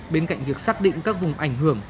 bên cạnh việc xác định các vùng ảnh hưởng